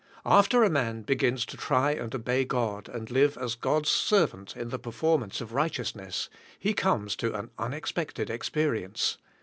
After a man begins to try and obey God and live as God's servant in the perform ance of righteousness, he comes to an unexpected experience.